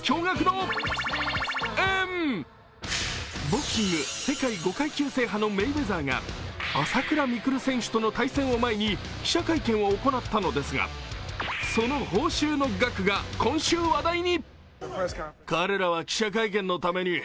ボクシング世界５階級制覇のメイウェザーが朝倉未来選手との対戦を前に記者会見を行ったのですがその報酬の額が今週話題に。